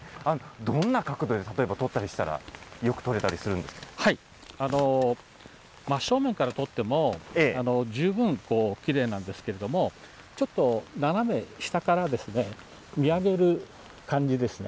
どんな角度で例えば撮ったりした真正面から撮っても十分きれいなんですけれども、ちょっと斜め下からですね、見上げる感じですね。